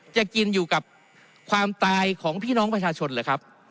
จะกินอยู่กับความตายของพี่น้องประชาชนเหรอครับ